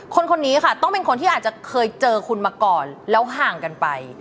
คนนี้ค่ะต้องเป็นคนที่อาจจะเคยเจอคุณมาก่อนแล้วห่างกันไป